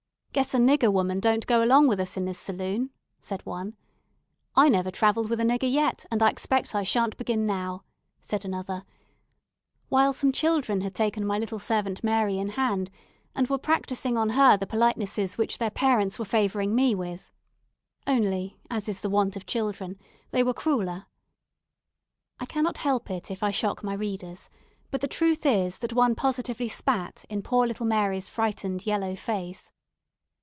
"Guess a nigger woman don't go along with us in this saloon," said one. "I never travelled with a nigger yet, and I expect I shan't begin now," said another; while some children had taken my little servant Mary in hand, and were practising on her the politenesses which their parents were favouring me with only, as is the wont of children, they were crueller. I cannot help it if I shock my readers; but the truth is, that one positively spat in poor little Mary's frightened yellow face.